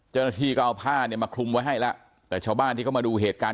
เจ้าหน้าที่ก็เอาผ้าเนี่ยมาคลุมไว้ให้แล้วแต่ชาวบ้านที่เขามาดูเหตุการณ์